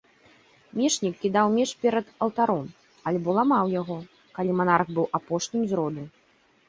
Мечнік кідаў меч перад алтаром, альбо ламаў яго, калі манарх быў апошнім з роду.